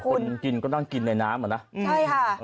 คนกินก็ต้องกินในน้ำเหรอนะ